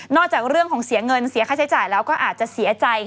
จากเรื่องของเสียเงินเสียค่าใช้จ่ายแล้วก็อาจจะเสียใจ